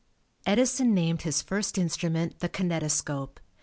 Edison named his first instrument the kinetoscope.